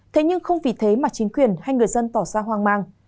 thế nhưng không vì thế mà chính quyền hay người dân tỏ ra hoang mang